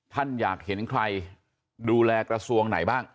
ท่านอยากเห็นใครดูแลกระทรวงไหนบ้าง